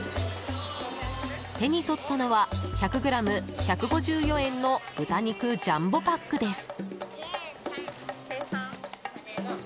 手に取ったのは１００ｇ１５４円の豚肉ジャンボパックです。